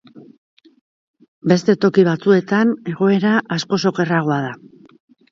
Beste toki batzuetan egoera askoz okerragoa da.